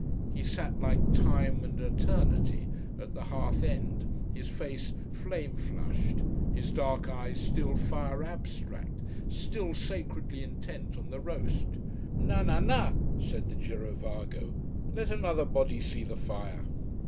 He sat like time and eternity at the hearth end, his face flame flushed, his dark eyes still fire abstract, still sacredly intent on the roast. "Na na na!" said the girovago. "Let another body see the fire."